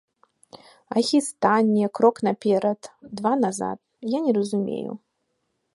А хістанне, крок наперад, два назад, я не разумею.